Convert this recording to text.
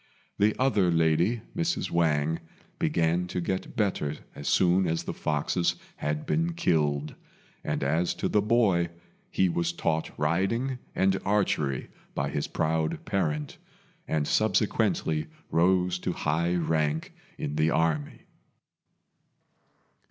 The other lady, Mrs. Wang, began to get better as soon as the foxes had been killed; and as to the boy, he was taught riding and archery by his proud parent, and subsequently rose to high rank in the army.